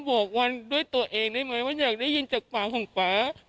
บอกว่าด้วยตัวเองได้ไหมว่าอยากได้ยินจากปากของป๊า